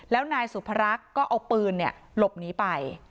แล้วนายสุภรักษ์ก็เอาปืนหลบหนีไป